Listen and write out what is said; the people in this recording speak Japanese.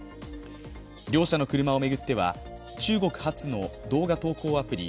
両者の車を巡っては中国発の動画投稿アプリ